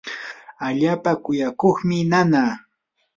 allaapa kuyakuqmi nanaa.